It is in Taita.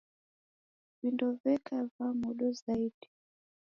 Vindo veka va modo zaidi